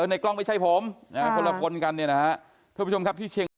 ในกล้องไม่ใช่ผมคนละคนเหมือนกันเนี่ยนะ